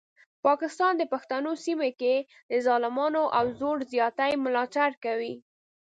پاکستان د پښتنو سیمه کې د ظلمونو او زور زیاتي ملاتړ کوي.